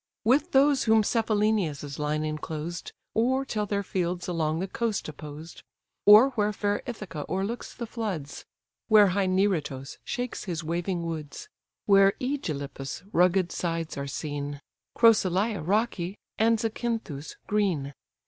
With those whom Cephalenia's line inclosed, Or till their fields along the coast opposed; Or where fair Ithaca o'erlooks the floods, Where high Neritos shakes his waving woods, Where Ægilipa's rugged sides are seen, Crocylia rocky, and Zacynthus green.